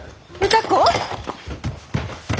歌子。